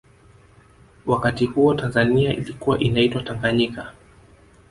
wakati huo tanzania ilikua inaitwa tanganyika